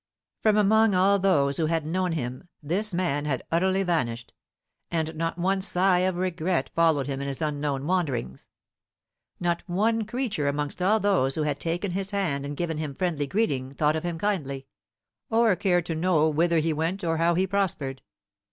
From among all those who had known him this man had utterly vanished, and not one sigh of regret followed him in his unknown wanderings not one creature amongst all those who had taken his hand and given him friendly greeting thought of him kindly, or cared to know whither he went or how he prospered.